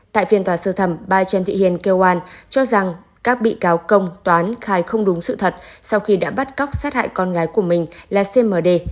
tại phiên tòa sơ thẩm bà trần thị hiền kêu an cho rằng các bị cáo công toán khai không đúng sự thật sau khi đã bắt cóc sát hại con gái của mình là cmd